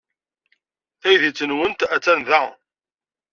Taydit-nwent attan da.